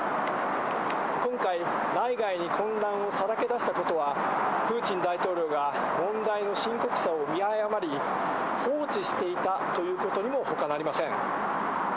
今回、内外に混乱をさらけ出したことは、プーチン大統領が問題の深刻さを見誤り、放置していたということにもほかなりません。